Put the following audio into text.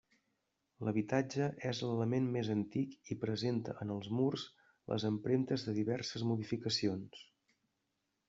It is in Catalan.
L'habitatge és l'element més antic i presenta en els murs les empremtes de diverses modificacions.